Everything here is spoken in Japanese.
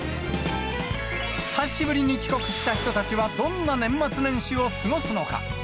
久しぶりに帰国した人たちは、どんな年末年始を過ごすのか。